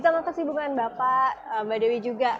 dita makasih bukan bapak mbak dewi juga